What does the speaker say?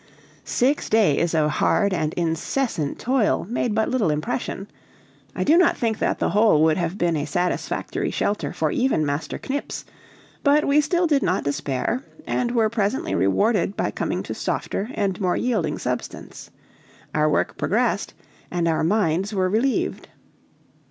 Six days of hard and incessant toil made but little impression; I do not think that the hole would have been a satisfactory shelter for even Master Knips; but we still did not despair, and were presently rewarded by coming to softer and more yielding substance; our work progressed, and our minds were relieved.